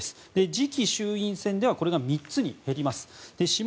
次期衆院選ではこれが３つに減ります。